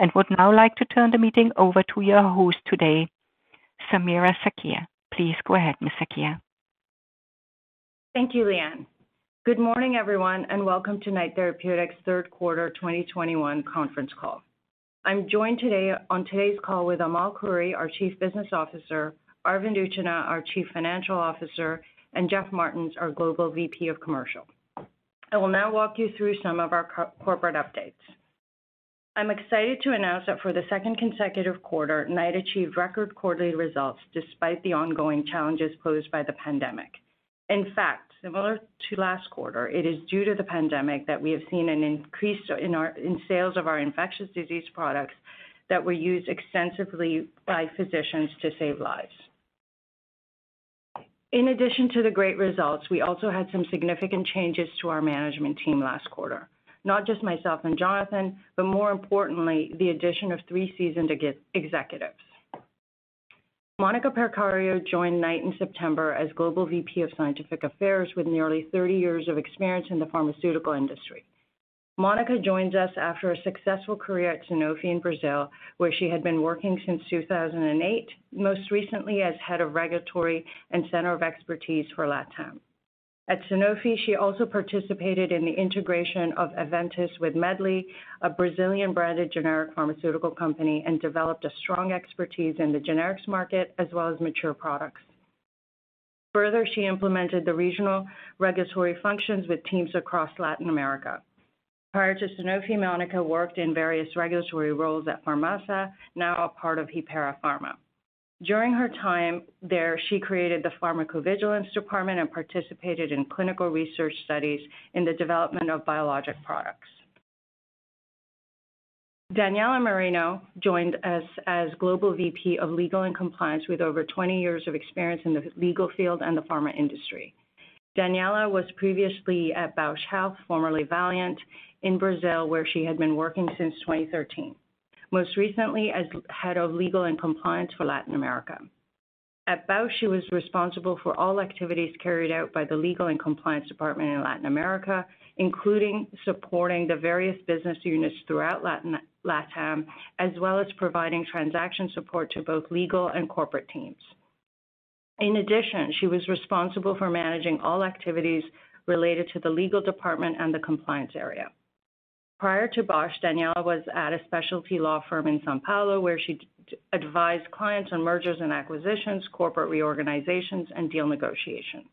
Good morning, everyone, and welcome to Knight Therapeutics' Q3 2021 conference call. I'm joined today, on today's call with Amal Khoury, our Chief Business Officer, Arvind Utchanah, our Chief Financial Officer, and Jeff Martens, our Global VP of Commercial. I will now walk you through some of our corporate updates. We are pleased to announce that for the second consecutive quarter, Knight achieved record quarterly results despite the ongoing challenges posed by the pandemic. In fact, similar to last quarter, it is due to the pandemic that we have seen an increase in our sales of our infectious disease products that were used extensively by physicians to save lives. In addition to the great results, we also had some significant changes to our management team last quarter. Not just myself and Jonathan, but more importantly, the addition of three seasoned executives. Monica Percario joined Knight in September as Global VP of Scientific Affairs with nearly 30 years of experience in the pharmaceutical industry. Monica joins us after a successful career at Sanofi in Brazil, where she had been working since 2008, most recently as head of regulatory and center of expertise for LatAm. At Sanofi, she also participated in the integration of Aventis with Medley, a Brazilian branded generic pharmaceutical company, and developed a strong expertise in the generics market as well as mature products. Further, she implemented the regional regulatory functions with teams across Latin America. Prior to Sanofi, Monica worked in various regulatory roles at Farmasa, now a part of Hypera Pharma. During her time there, she created the pharmacovigilance department and participated in clinical research studies in the development of biologic products. Daniela Marino joined us as Global VP of Legal and Compliance with over 20 years of experience in the legal field and the pharma industry. Daniela was previously at Bausch Health, formerly Valeant, in Brazil, where she had been working since 2013. Most recently as Head of Legal and Compliance for Latin America. At Bausch, she was responsible for all activities carried out by the Legal and Compliance department in Latin America, including supporting the various business units throughout Latin, LatAm, as well as providing transaction support to both legal and corporate teams. In addition, she was responsible for managing all activities related to the legal department and the compliance area. Prior to Bausch, Daniela was at a specialty law firm in São Paulo, where she advised clients on mergers and acquisitions, corporate reorganizations, and deal negotiations.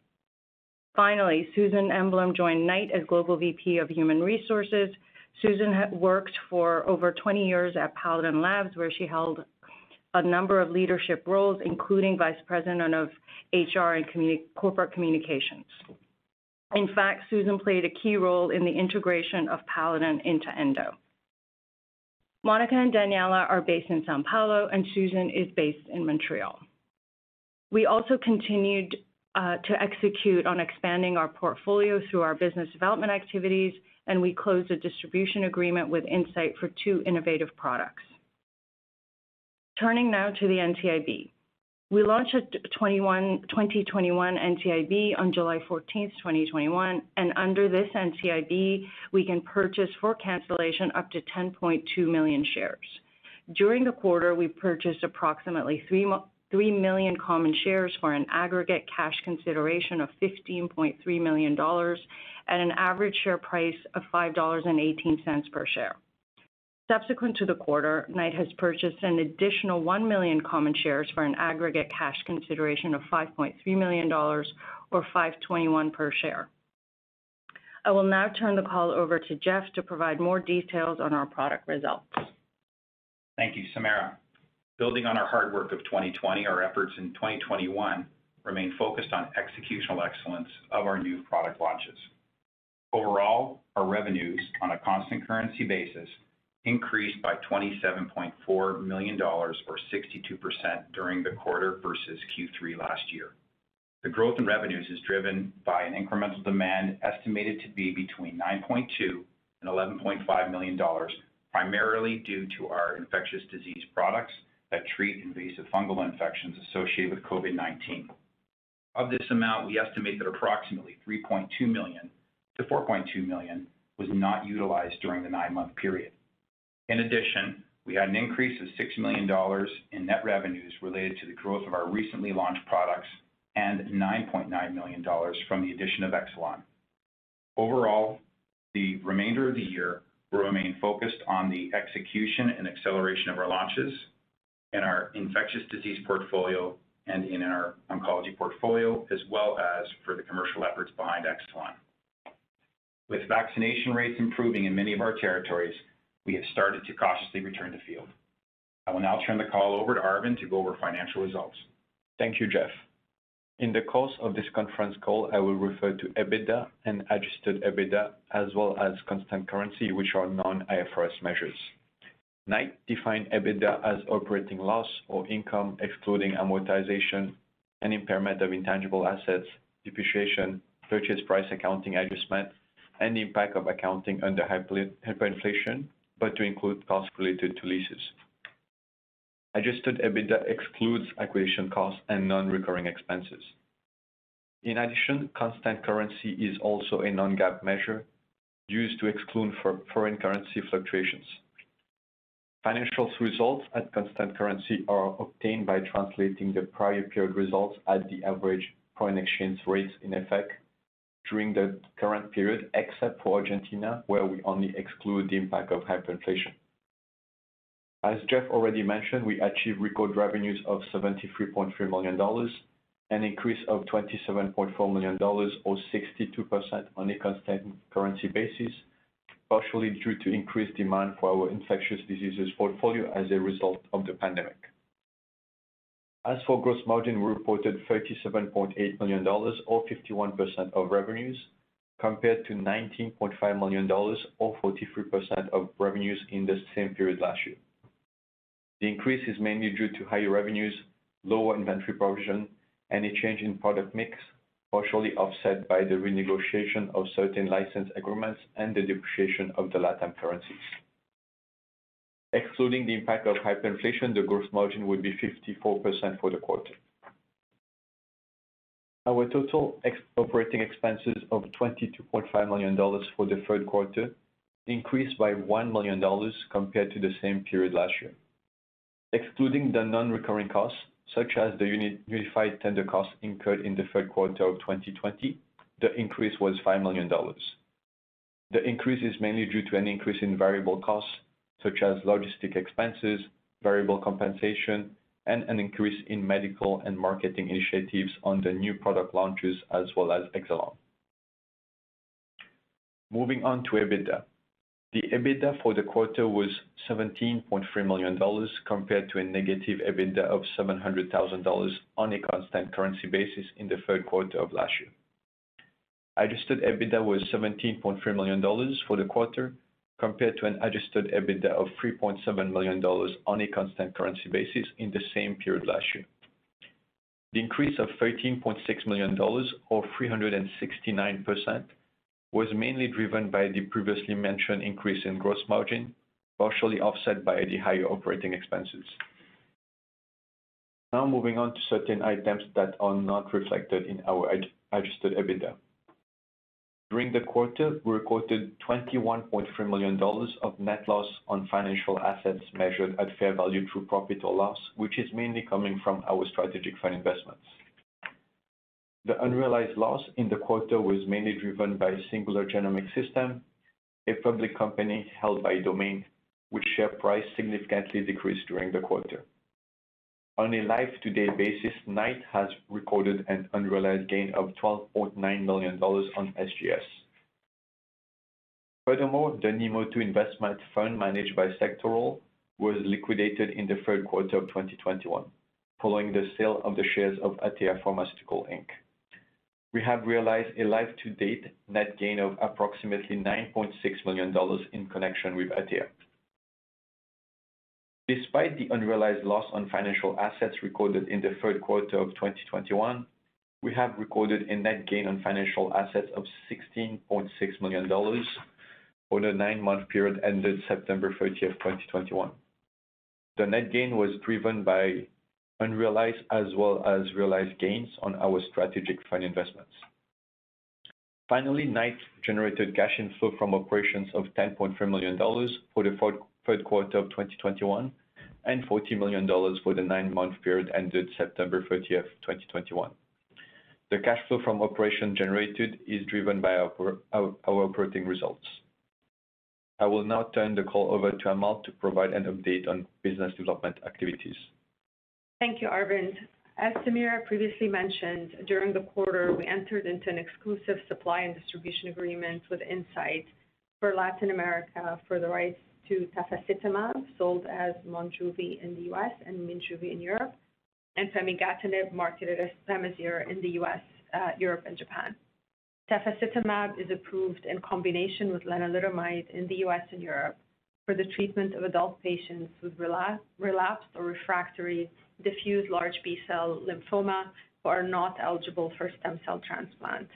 Finally, Susan Emblem joined Knight as Global VP of Human Resources. Susan worked for over 20 years at Paladin Labs, where she held a number of leadership roles, including vice president of HR and corporate communications. In fact, Susan played a key role in the integration of Paladin into Endo. Monica and Daniela are based in São Paulo, and Susan is based in Montreal. We also continued to execute on expanding our portfolio through our business development activities, and we closed a distribution agreement with Incyte for two innovative products. Turning now to the NCIB. We launched a 2021 NCIB on July 14, 2021, and under this NCIB, we can purchase for cancellation up to 10.2 million shares. During the quarter, we purchased approximately 3 million common shares for an aggregate cash consideration of 15.3 million dollars at an average share price of 5.18 dollars per share. Subsequent to the quarter, Knight has purchased an additional 1 million common shares for an aggregate cash consideration of 5.3 million dollars or 5.21 per share. I will now turn the call over to Jeff to provide more details on our product results. Thank you, Samira. Building on our hard work of 2020, our efforts in 2021 remain focused on executional excellence of our new product launches. Overall, our revenues on a constant currency basis increased by 27.4 million dollars or 62% during the quarter versus Q3 last year. The growth in revenues is driven by an incremental demand estimated to be between 9.2 million and 11.5 million dollars, primarily due to our infectious disease products that treat invasive fungal infections associated with COVID-19. Of this amount, we estimate that approximately 3.2 million to 4.2 million were not utilized during the nine-month period. In addition, we had an increase of 6 million dollars in net revenues related to the growth of our recently launched products and 9.9 million dollars from the addition of Exelon. Overall, the remainder of the year will remain focused on the execution and acceleration of our launches in our infectious disease portfolio and in our oncology portfolio, as well as for the commercial efforts behind Exelon. With vaccination rates improving in many of our territories, we have started to cautiously return to the field. I will now turn the call over to Arvind to go over financial results. Thank you, Jeff. In the course of this conference call, I will refer to EBITDA and adjusted EBITDA as well as constant currency, which are non-IFRS measures. Knight defines EBITDA as operating loss or income, excluding amortization and impairment of intangible assets, depreciation, purchase price accounting adjustments, and the impact of accounting under hyperinflation, but to include costs related to leases. Adjusted EBITDA excludes acquisition costs and non-recurring expenses. In addition, constant currency is also a non-GAAP measure used to exclude for foreign currency fluctuations. Financial results at constant currency are obtained by translating the prior period results at the average foreign exchange rates in effect during the current period, except for Argentina, where we only exclude the impact of hyperinflation. As Jeff already mentioned, we achieved record revenues of $73.3 million, an increase of $27.4 million or 62% on a constant currency basis, partially due to increased demand for our infectious diseases portfolio as a result of the pandemic. As for gross margin, we reported $37.8 million or 51% of revenues, compared to $19.5 million or 43% of revenues in the same period last year. The increase is mainly due to higher revenues, lower inventory provision, and a change in product mix, partially offset by the renegotiation of certain license agreements and the depreciation of the LATAM currencies. Excluding the impact of hyperinflation, the gross margin would be 54% for the quarter. Our total ex-operating expenses of 22.5 million dollars for the Q3 increased by 1 million dollars compared to the same period last year. Excluding the non-recurring costs, such as the unified tender costs incurred in the Q3 of 2020, the increase was 5 million dollars. The increase is mainly due to an increase in variable costs such as logistics expenses, variable compensation, and an increase in medical and marketing initiatives on the new product launches as well as Exelon. Moving on to EBITDA. The EBITDA for the quarter was 17.3 million dollars compared to a negative EBITDA of 700,000 dollars on a constant currency basis in the Q3 of last year. Adjusted EBITDA was 17.3 million dollars for the quarter, compared to an adjusted EBITDA of 3.7 million dollars on a constant currency basis in the same period last year. The increase of 13.6 million dollars or 369% was mainly driven by the previously mentioned increase in gross margin, partially offset by the higher operating expenses. Now moving on to certain items that are not reflected in our adjusted EBITDA. During the quarter, we recorded 21.3 million dollars of net loss on financial assets measured at fair value through profit or loss, which is mainly coming from our strategic fund investments. The unrealized loss in the quarter was mainly driven by Singular Genomics Systems, a public company held by Domain, whose share price significantly decreased during the quarter. On a life-to-date basis, Knight has recorded an unrealized gain of 12.9 million dollars on SGS. Furthermore, the NEA-MedImmune II investment fund managed by Sectoral was liquidated in the Q3 of 2021, following the sale of the shares of Atea Pharmaceuticals, Inc. We have realized a life-to-date net gain of approximately 9.6 million dollars in connection with Atea. Despite the unrealized loss on financial assets recorded in the Q3 of 2021, we have recorded a net gain on financial assets of 16.6 million dollars for the nine-month period ended September 30, 2021. The net gain was driven by unrealized as well as realized gains on our strategic fund investments. Finally, Knight generated cash inflow from operations of 10.3 million dollars for the Q4 of 2021, and $40 million for the nine-month period ended September 30, 2021. The cash flow from operations generated is driven by our operating results. I will now turn the call over to Amal to provide an update on business development activities. Thank you, Arvind. As Samira previously mentioned, during the quarter, we entered into an exclusive supply and distribution agreement with Incyte for Latin America for the rights to tafasitamab, sold as Monjuvi in the US and Minjuvi in Europe, and pemigatinib, marketed as Pemazyre in the US, Europe and Japan. Tafasitamab is approved in combination with lenalidomide in the US and Europe for the treatment of adult patients with relapsed or refractory diffuse large B-cell lymphoma who are not eligible for stem cell transplant.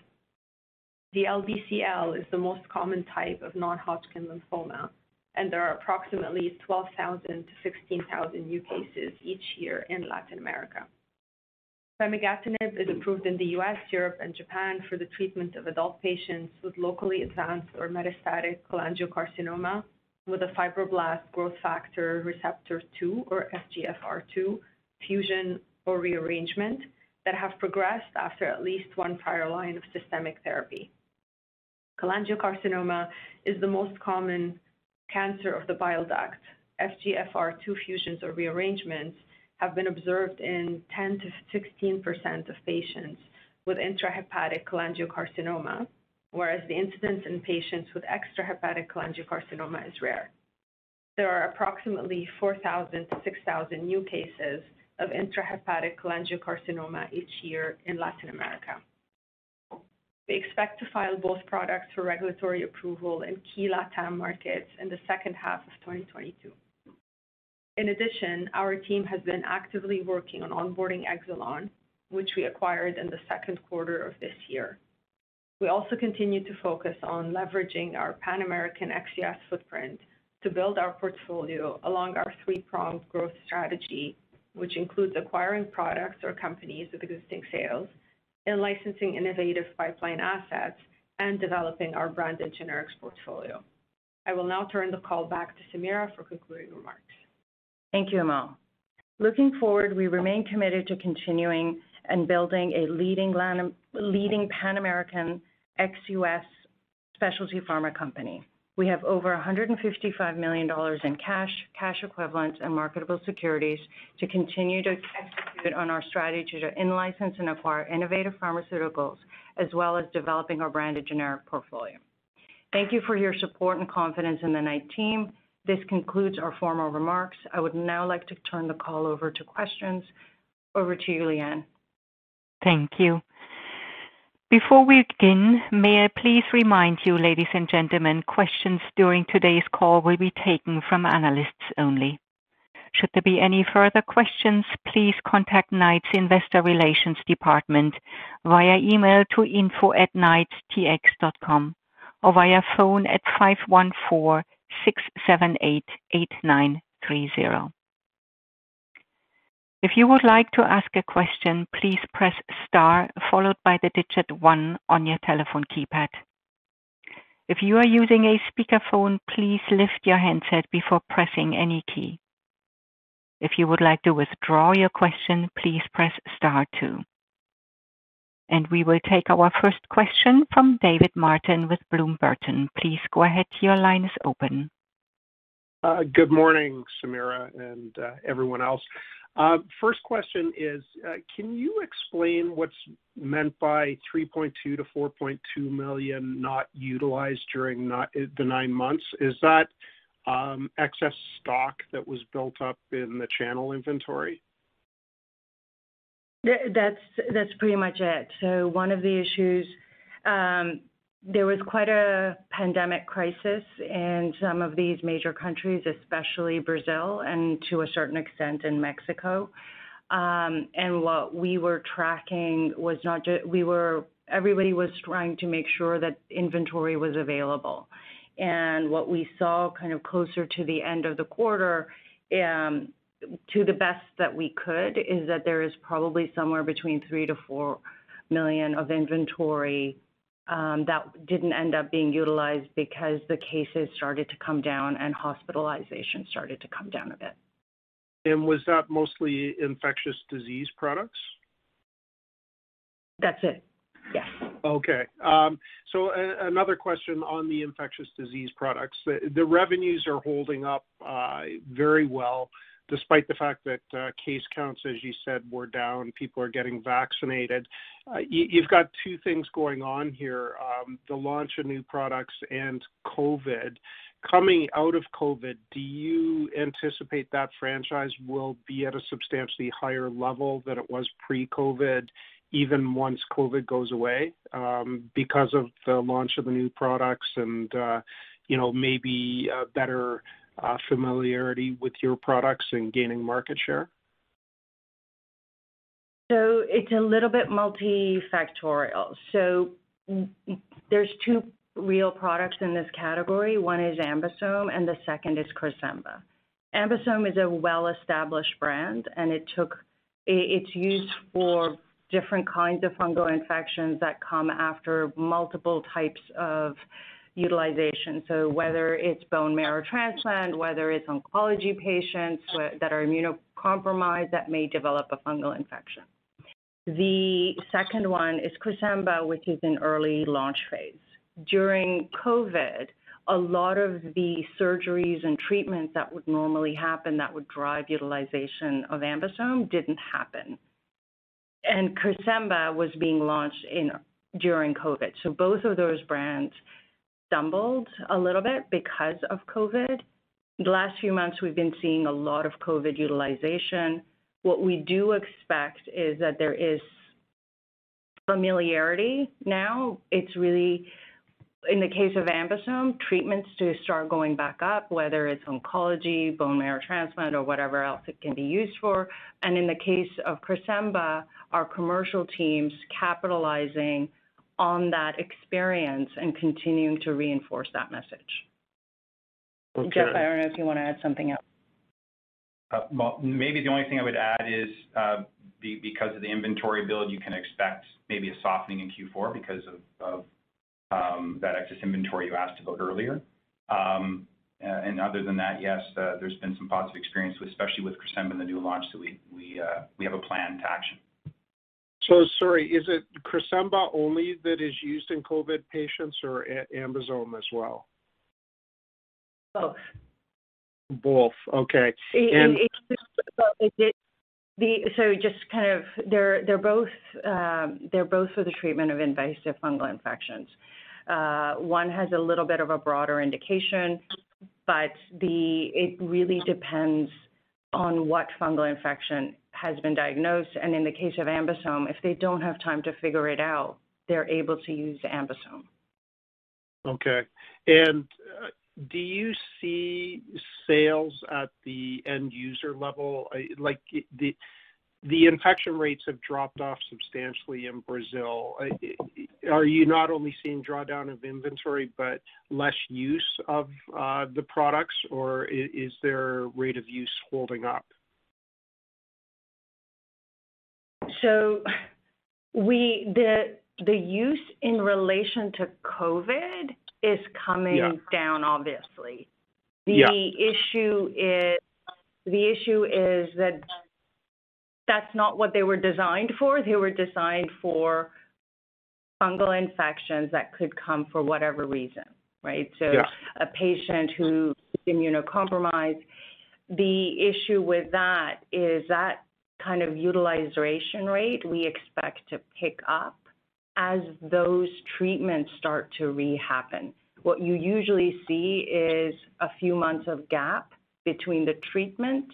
DLBCL is the most common type of non-Hodgkin lymphoma, and there are approximately 12,000-16,000 new cases each year in Latin America. Pemigatinib is approved in the U.S., Europe, and Japan for the treatment of adult patients with locally advanced or metastatic cholangiocarcinoma with a fibroblast growth factor receptor two or FGFR2 fusion or rearrangement that have progressed after at least one prior line of systemic therapy. Cholangiocarcinoma is the most common cancer of the bile duct. FGFR2 fusions or rearrangements have been observed in 10%-16% of patients with intrahepatic cholangiocarcinoma, whereas the incidence in patients with extrahepatic cholangiocarcinoma is rare. There are approximately 4,000-6,000 new cases of intrahepatic cholangiocarcinoma each year in Latin America. We expect to file both products for regulatory approval in key LatAm markets in the second half of 2022. In addition, our team has been actively working on onboarding Exelon, which we acquired in the Q2 of this year. We also continue to focus on leveraging our Pan-American ex-U.S. footprint to build our portfolio along our three-pronged growth strategy, which includes acquiring products or companies with existing sales and licensing innovative pipeline assets and developing our brand and generics portfolio. I will now turn the call back to Samira for concluding remarks. Thank you, Amal. Looking forward, we remain committed to continuing and building a leading Pan-American ex-US specialty pharma company. We have over 155 million dollars in cash equivalents, and marketable securities to continue to execute on our strategy to in-license and acquire innovative pharmaceuticals, as well as developing our brand and generic portfolio. Thank you for your support and confidence in the Knight team. This concludes our formal remarks. I would now like to turn the call over to questions. Over to you, Leanne. Good morning, Samira and everyone else. First question is, can you explain what's meant by 3.2 million-4.2 million not utilized during the nine months? Is that excess stock that was built up in the channel inventory? That's pretty much it. One of the issues there was quite a pandemic crisis in some of these major countries, especially Brazil and to a certain extent in Mexico. What we were tracking was everybody was trying to make sure that inventory was available. What we saw kind of closer to the end of the quarter, to the best that we could, is that there is probably somewhere between 3 million-4 million of inventory that didn't end up being utilized because the cases started to come down and hospitalizations started to come down a bit. Was that mostly infectious disease products? That's it, yes. Okay. Another question on the infectious disease products. The revenues are holding up very well, despite the fact that case counts, as you said, were down, people are getting vaccinated. You've got two things going on here, the launch of new products and COVID. Coming out of COVID, do you anticipate that franchise will be at a substantially higher level than it was pre-COVID, even once COVID goes away, because of the launch of the new products and, you know, maybe better familiarity with your products and gaining market share? It's a little bit multifactorial. There's two real products in this category. One is Ambisome and the second is CRESEMBA. Ambisome is a well-established brand, and it's used for different kinds of fungal infections that come after multiple types of utilization. Whether it's bone marrow transplant, whether it's oncology patients that are immunocompromised that may develop a fungal infection. The second one is CRESEMBA, which is in early launch phase. During COVID, a lot of the surgeries and treatments that would normally happen that would drive utilization of Ambisome didn't happen. CRESEMBA was being launched during COVID. Both of those brands stumbled a little bit because of COVID. The last few months, we've been seeing a lot of utilization. What we do expect is that there is familiarity now. It's really, in the case of Ambisome, treatments to start going back up, whether it's oncology, bone marrow transplant, or whatever else it can be used for. In the case of CRESEMBA, our commercial teams capitalizing on that experience and continuing to reinforce that message. Okay. Jeff, I don't know if you want to add something else. Well, maybe the only thing I would add is because of the inventory build, you can expect maybe a softening in Q4 because of that excess inventory you asked about earlier. Other than that, yes, there's been some positive experience, especially with CRESEMBA in the new launch. We have a plan of action. Sorry, is it CRESEMBA only that is used in COVID patients or AmBisome as well? Both. Both. Okay. Just kind of they're both for the treatment of invasive fungal infections. One has a little bit of a broader indication, but it really depends on what fungal infection has been diagnosed. In the case of AmBisome, if they don't have time to figure it out, they're able to use AmBisome. Okay. Do you see sales at the end user level? Like, the infection rates have dropped off substantially in Brazil. Are you not only seeing drawdown of inventory, but less use of the products, or is their rate of use holding up? The use in relation to COVID is coming. Yeah down, obviously. Yeah. The issue is that that's not what they were designed for. They were designed for fungal infections that could come for whatever reason, right? Yeah. A patient who is immunocompromised. The issue with that is that kind of utilization rate we expect to pick up as those treatments start to happen. What you usually see is a few months of gap between the treatment and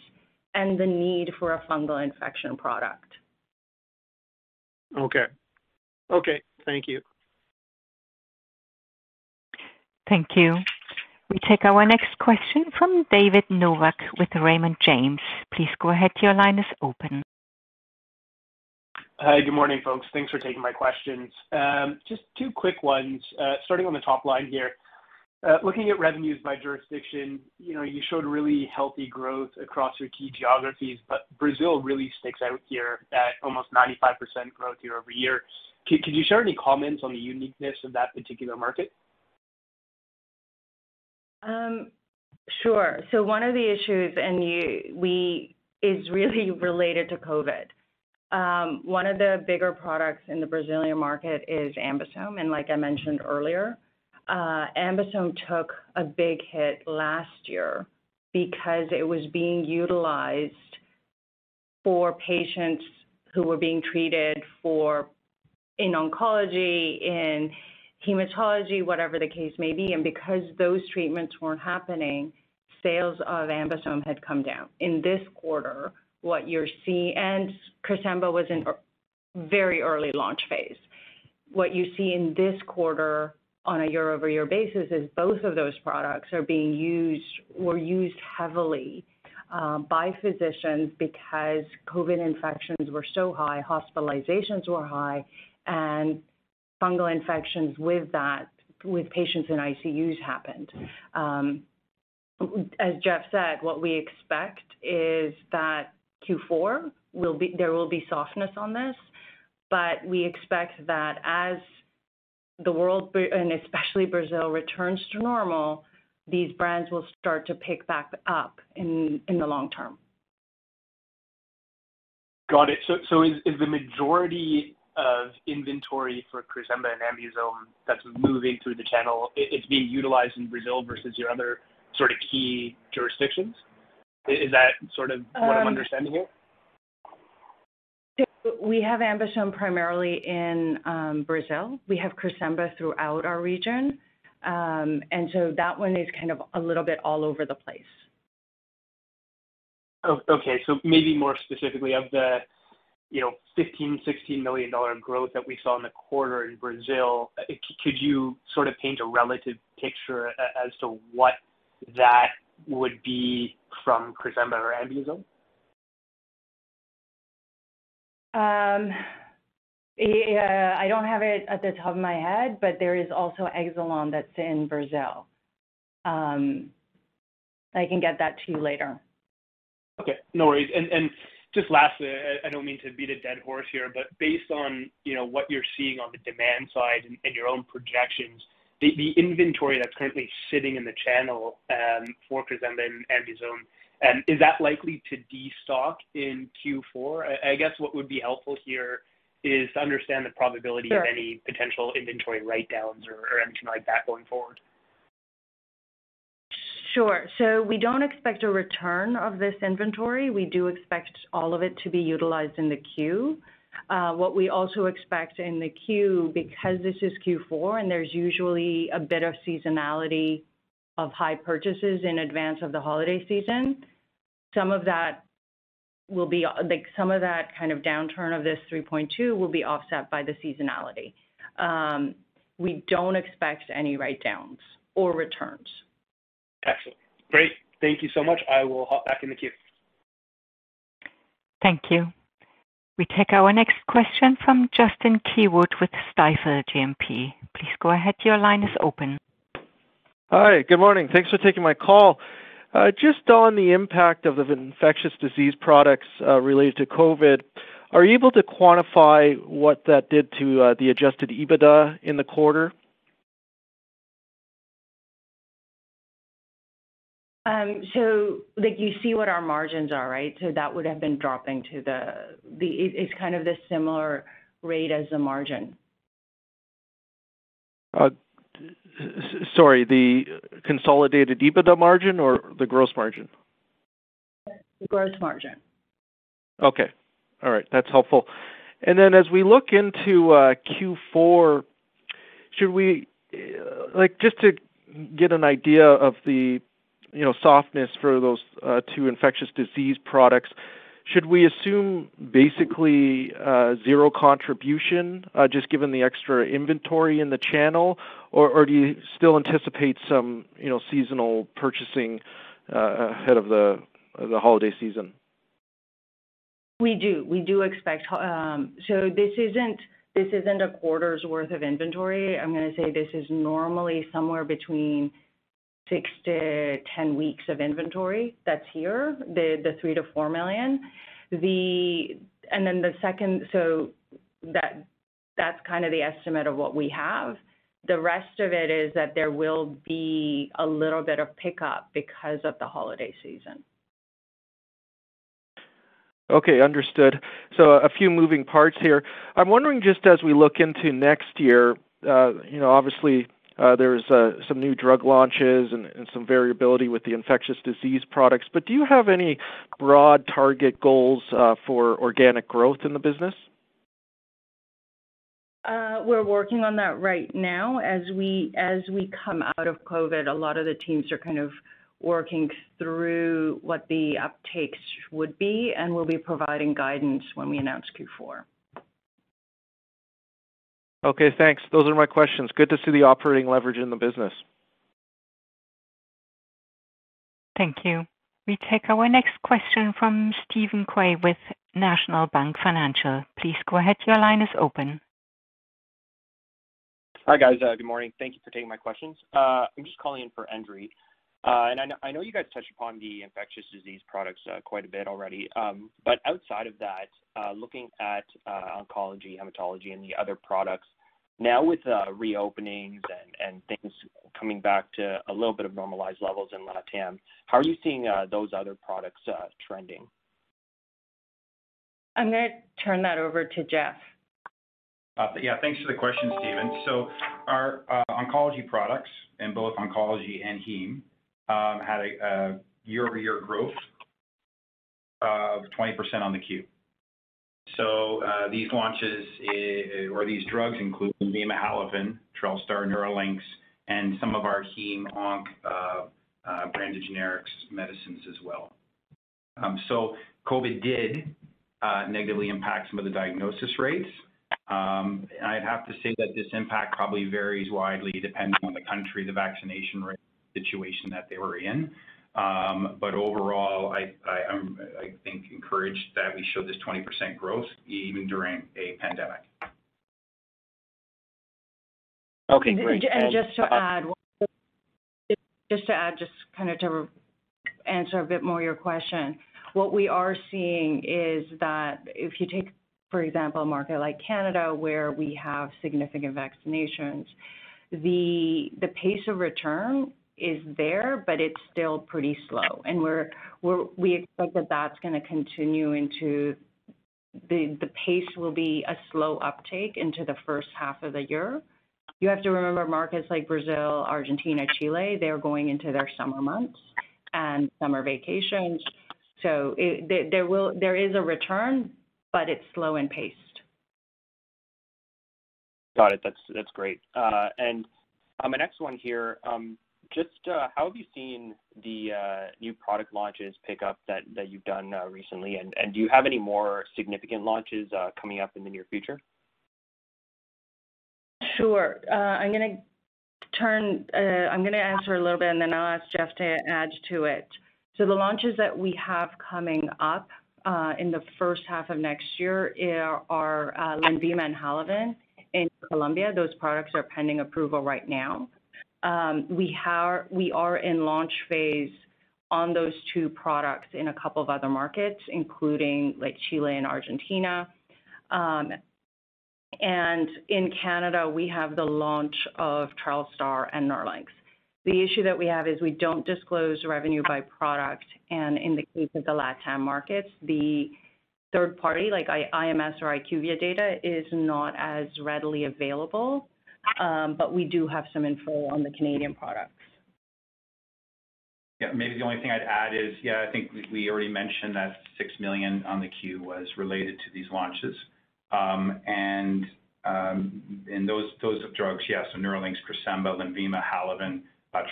the need for a fungal infection product. Okay, thank you. Hi. Good morning, folks. Thanks for taking my questions. Just two quick ones. Starting on the top line here, looking at revenues by jurisdiction, you know, you showed really healthy growth across your key geographies, but Brazil really sticks out here at almost 95% growth year-over-year. Could you share any comments on the uniqueness of that particular market? Sure. One of the issues is really related to COVID. One of the bigger products in the Brazilian market is AmBisome. Like I mentioned earlier, AmBisome took a big hit last year because it was being utilized for patients who were being treated for in oncology, in hematology, whatever the case may be. Because those treatments weren't happening, sales of AmBisome had come down. In this quarter, what you're seeing and CRESEMBA was in a very early launch phase. What you see in this quarter on a year-over-year basis is both of those products were used heavily by physicians because COVID infections were so high, hospitalizations were high, and fungal infections with that, with patients in ICUs happened. As Jeff said, what we expect is that Q4, there will be softness on this, but we expect that as the world, and especially Brazil, returns to normal, these brands will start to pick back up in the long term. Got it. Is the majority of inventory for CRESEMBA and AmBisome that's moving through the channel, it's being utilized in Brazil versus your other sort of key jurisdictions? Is that sort of what I'm understanding here? We have AmBisome primarily in Brazil. We have CRESEMBA throughout our region. That one is kind of a little bit all over the place. Oh, okay. Maybe more specifically of the, you know, $15-$16 million growth that we saw in the quarter in Brazil, could you sort of paint a relative picture as to what that would be from CRESEMBA or AmBisome? Yeah. I don't have it off the top of my head, but there is also Exelon that's in Brazil. I can get that to you later. Okay, no worries. Just lastly, I don't mean to beat a dead horse here, but based on, you know, what you're seeing on the demand side and your own projections. The inventory that's currently sitting in the channel for CRESEMBA and AmBisome is that likely to destock in Q4? I guess what would be helpful here is to understand the probability- Sure of any potential inventory write-downs or anything like that going forward. Sure. We don't expect a return of this inventory. We do expect all of it to be utilized in the queue. What we also expect in the queue, because this is Q4 and there's usually a bit of seasonality of high purchases in advance of the holiday season, some of that will be, like, some of that kind of downturn of this 3.2 will be offset by the seasonality. We don't expect any write-downs or returns. Excellent. Great. Thank you so much. I will hop back in the queue. Hi, good morning. Thanks for taking my call. Just on the impact of the infectious disease products related to COVID, are you able to quantify what that did to the adjusted EBITDA in the quarter? Like, you see what our margins are, right? That would have been dropping to the, it's kind of the similar rate as the margin. Sorry, the consolidated EBITDA margin or the gross margin? The gross margin. Okay. All right. That's helpful. Then as we look into Q4, like, just to get an idea of the, you know, softness for those two infectious disease products, should we assume basically zero contribution just given the extra inventory in the channel? Or do you still anticipate some, you know, seasonal purchasing ahead of the holiday season? We do. We do expect. This isn't a quarter's worth of inventory. I'm going to say this is normally somewhere between 6-10 weeks of inventory that's here, the 3 million-4 million. That's kind of the estimate of what we have. The rest of it is that there will be a little bit of pickup because of the holiday season. Okay, understood. A few moving parts here. I'm wondering, just as we look into next year, you know, obviously, there's some new drug launches and some variability with the infectious disease products, but do you have any broad target goals for organic growth in the business? We're working on that right now. As we come out of COVID, a lot of the teams are kind of working through what the uptakes would be, and we'll be providing guidance when we announce Q4. Okay, thanks. Those are my questions. Good to see the operating leverage in the business. Hi, guys. Good morning. Thank you for taking my questions. I'm just calling in for Andrew. I know you guys touched upon the infectious disease products quite a bit already. Outside of that, looking at oncology, hematology, and the other products, now with reopenings and things coming back to a little bit of normalized levels in LATAM, how are you seeing those other products trending? I'm going to turn that over to Jeff. Thanks for the question, Steven. Our oncology products in both oncology and heme had a year-over-year growth of 20% in the quarter. These launches or these drugs include VIDAZA, HALAVEN, TRELSTAR, NERLYNX and some of our heme onc branded generics medicines as well. COVID did negatively impact some of the diagnosis rates. I'd have to say that this impact probably varies widely depending on the country, the vaccination rate situation that they were in. Overall, I think I'm encouraged that we showed this 20% growth even during a pandemic. Okay, Just to add, just kind of to answer a bit more your question. What we are seeing is that if you take, for example, a market like Canada where we have significant vaccinations, the pace of return is there, but it's still pretty slow. We expect that that's going to continue into the pace will be a slow uptake into the first half of the year. You have to remember markets like Brazil, Argentina, Chile, they're going into their summer months and summer vacations. There is a return, but it's slow in pace. Got it. That's great. My next one here, just how have you seen the new product launches pick up that you've done recently? Do you have any more significant launches coming up in the near future? Sure. I'm going to answer a little bit and then I'll ask Jeff to add to it. The launches that we have coming up in the first half of next year are LENVIMA and Halaven in Colombia. Those products are pending approval right now. We are in launch phase on those two products in a couple of other markets, including like Chile and Argentina. In Canada, we have the launch of Trelstar and Nerlynx. The issue that we have is we don't disclose revenue by product, and in the case of the LatAm markets, the third party like IMS or IQVIA data is not as readily available. But we do have some info on the Canadian products. Yeah. Maybe the only thing I'd add is, yeah, I think we already mentioned that 6 million on the Q was related to these launches. And those drugs, yes. Nerlynx, CRESEMBA, LENVIMA, HALAVEN,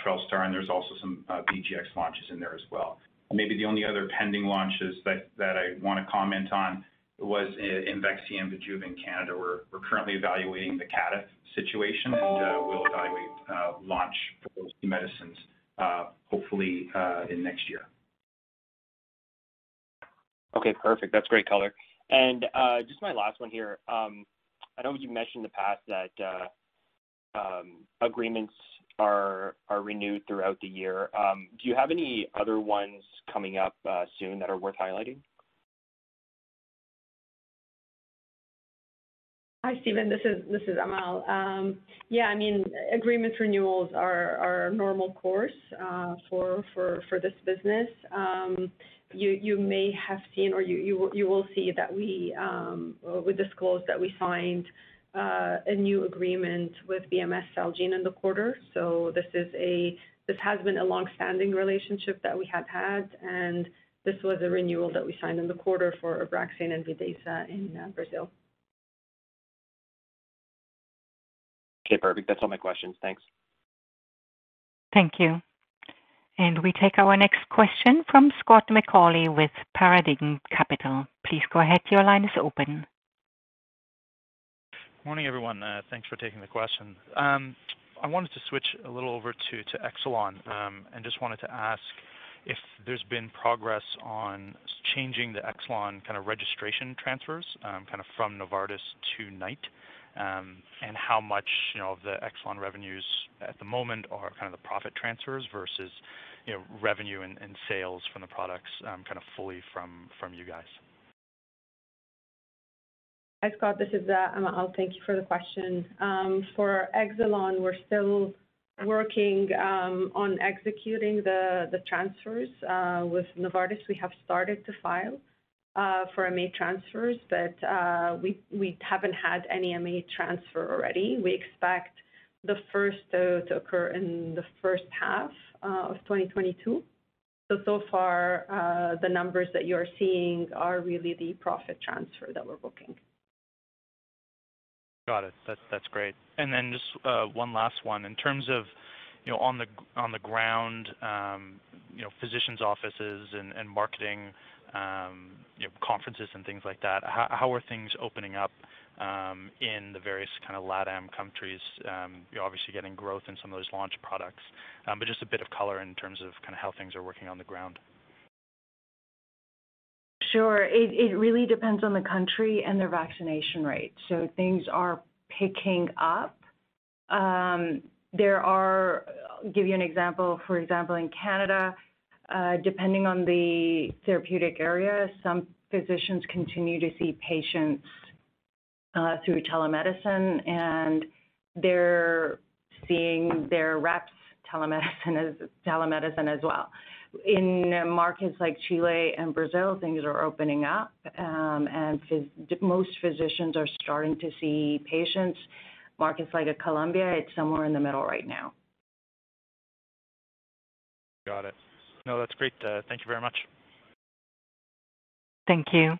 TRELSTAR, and there's also some BGX launches in there as well. Maybe the only other pending launches that I want to comment on was IMVEXXY and BIJUVA in Canada. We're currently evaluating the CADTH situation, and we'll evaluate launch for those two medicines, hopefully in next year. Okay, perfect. That's great color. Just my last one here. I know you've mentioned in the past that agreements are renewed throughout the year. Do you have any other ones coming up soon that are worth highlighting? Hi, Steven, this is Amal. I mean, agreement renewals are a normal course for this business. You may have seen, or you will see that we disclose that we signed a new agreement with Bristol Myers Squibb in the quarter. This has been a long-standing relationship that we have had, and this was a renewal that we signed in the quarter for ABRAXANE and Vidaza in Brazil. Okay, perfect. That's all my questions. Thanks. Morning, everyone. Thanks for taking the question. I wanted to switch a little over to Exelon and just wanted to ask if there's been progress on changing the Exelon kind of registration transfers kind of from Novartis to Knight, and how much, you know, of the Exelon revenues at the moment are kind of the profit transfers versus, you know, revenue and sales from the products kind of fully from you guys. Hi, Scott, this is Amal. Thank you for the question. For Exelon, we're still working on executing the transfers with Novartis. We have started to file for MA transfers, but we haven't had any MA transfer already. We expect the first to occur in the first half of 2022. So far, the numbers that you're seeing are really the profit transfer that we're booking. Got it. That's great. Just one last one. In terms of, you know, on the ground, you know, physicians' offices and marketing, you know, conferences and things like that, how are things opening up in the various kind of LatAm countries? You're obviously getting growth in some of those launch products, but just a bit of color in terms of kind of how things are working on the ground. Sure. It really depends on the country and their vaccination rate. Things are picking up. Give you an example. For example, in Canada, depending on the therapeutic area, some physicians continue to see patients through telemedicine, and they're seeing their reps through telemedicine as well. In markets like Chile and Brazil, things are opening up. Most physicians are starting to see patients. Markets like Colombia, it's somewhere in the middle right now. Got it. No, that's great. Thank you very much. Yeah.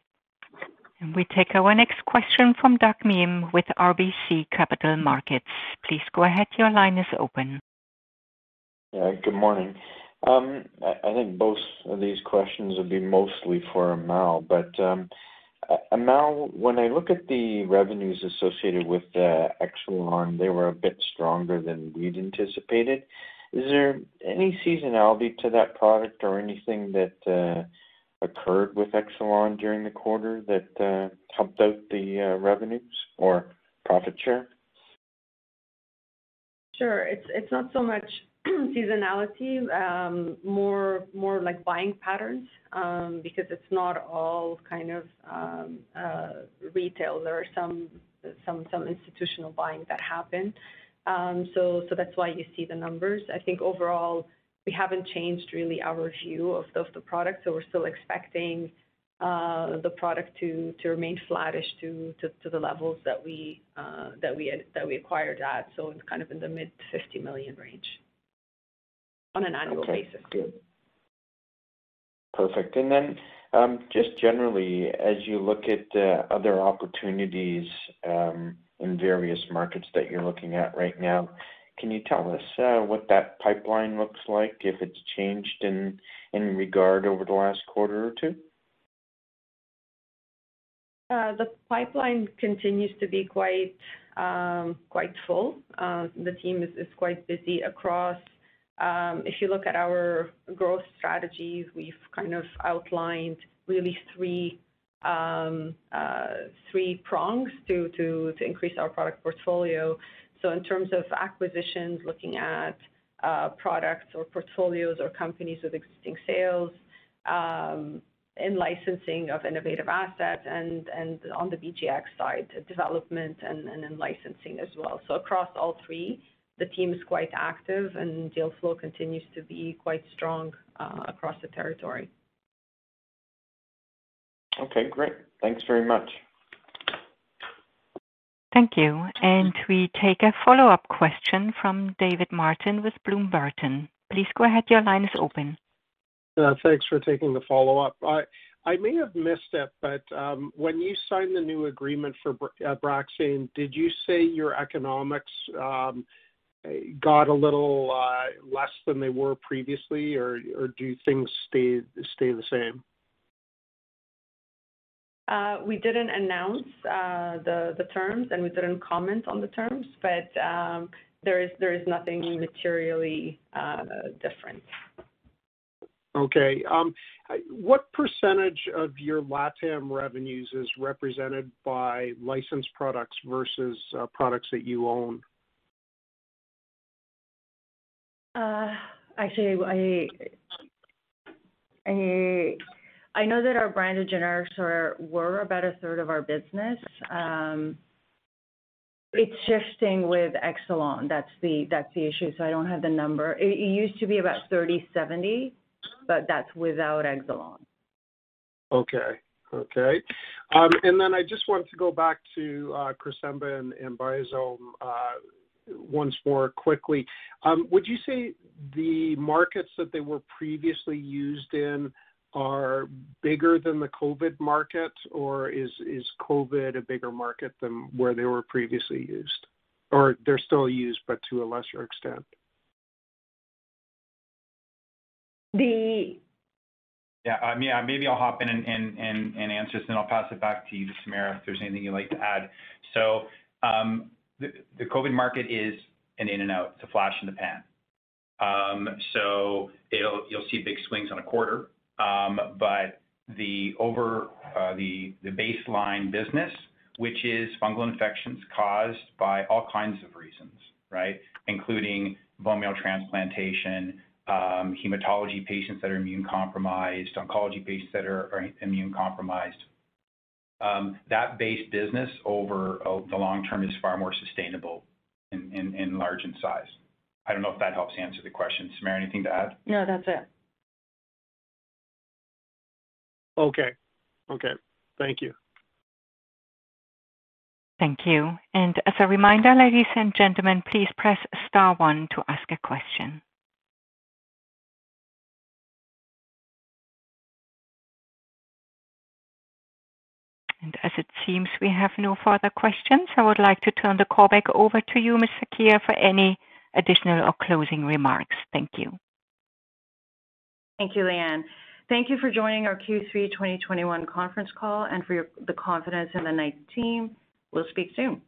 Good morning. I think both of these questions will be mostly for Amal, but, Amal, when I look at the revenues associated with the Exelon, they were a bit stronger than we'd anticipated. Is there any seasonality to that product or anything that occurred with Exelon during the quarter that helped out the revenues or profit share? Sure. It's not so much seasonality, more like buying patterns, because it's not all kind of retail. There are some institutional buying that happened. That's why you see the numbers. I think overall, we haven't changed really our view of the product. We're still expecting the product to remain flattish to the levels that we acquired at. It's kind of in the mid 50 million range on an annual basis. Just generally, as you look at other opportunities in various markets that you're looking at right now, can you tell us what that pipeline looks like, if it's changed in regard over the last quarter or two? The pipeline continues to be quite full. The team is quite busy across. If you look at our growth strategies, we've kind of outlined really three prongs to increase our product portfolio. In terms of acquisitions, looking at products or portfolios or companies with existing sales, in licensing of innovative assets and on the BGX side, development and in licensing as well. Across all three, the team is quite active and deal flow continues to be quite strong across the territory. Okay, great. Thanks very much. Thanks for taking the follow-up. I may have missed it, but when you signed the new agreement for Abraxane, did you say your economics got a little less than they were previously, or do things stay the same? We didn't announce the terms, and we didn't comment on the terms, but there is nothing materially different. Okay. What percentage of your LATAM revenues is represented by licensed products versus products that you own? Actually, I know that our brand of generics were about 1/3 of our business. It's shifting with Exelon. That's the issue, so I don't have the number. It used to be about 30/70, but that's without Exelon. I just wanted to go back to CRESEMBA and Vidaza once more quickly. Would you say the markets that they were previously used in are bigger than the COVID market, or is COVID a bigger market than where they were previously used? Or they're still used, but to a lesser extent? The- Maybe I'll hop in and answer this, then I'll pass it back to you, Samira, if there's anything you'd like to add. The COVID market is an in and out. It's a flash in the pan. You'll see big swings on a quarter. The baseline business, which is fungal infections caused by all kinds of reasons, right? Including bone marrow transplantation, hematology patients that are immune-compromised, oncology patients that are immune-compromised. That base business over the long term is far more sustainable in larger size. I don't know if that helps answer the question. Samira, anything to add? No, that's it. Okay. Okay. Thank you. Thank you, Leanne. Thank you for joining our Q3 2021 conference call and for the confidence in the Knight team. We'll speak soon.